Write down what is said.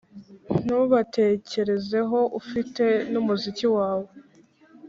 ntubatekerezeho, ufite n'umuziki wawe